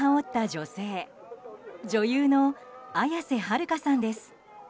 女優の綾瀬はるかさんです。